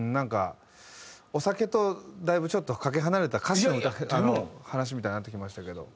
お酒とだいぶちょっとかけ離れた歌詞の話みたいになってきましたけど。